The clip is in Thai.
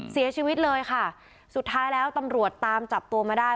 เสียชีวิตเลยค่ะสุดท้ายแล้วตำรวจตามจับตัวมาได้